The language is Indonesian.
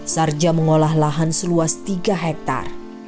sarja mengolah lahan seluas tiga hektare